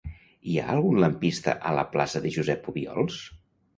Hi ha algun lampista a la plaça de Josep Obiols?